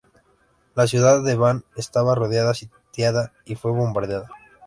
La ciudad de Van estaba rodeada, sitiada y fue bombardeada.